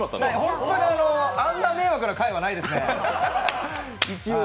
本当にあんな迷惑な回はないですよね。